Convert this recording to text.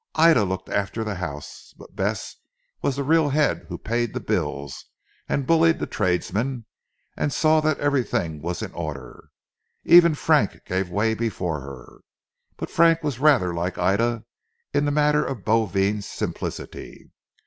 Ida looked after the house, but Bess was the real head who paid the bills, and bullied the tradesmen, and saw that everything was in order. Even Frank gave way before her. But Frank was rather like Ida in the matter of bovine simplicity.